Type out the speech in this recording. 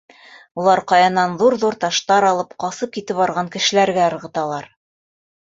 Улар, ҡаянан ҙур-ҙур таштар алып, ҡасып китеп барған кешеләргә ырғыталар.